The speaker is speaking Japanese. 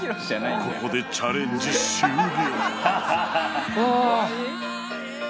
ここでチャレンジ終了